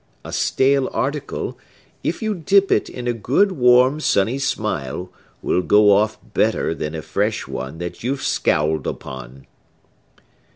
A stale article, if you dip it in a good, warm, sunny smile, will go off better than a fresh one that you've scowled upon."